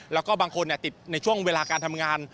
แล้วก็บางคนติดในช่วงเวลาการทำงาน